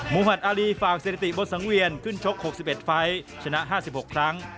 หัดอารีฝากสถิติบนสังเวียนขึ้นชก๖๑ไฟล์ชนะ๕๖ครั้ง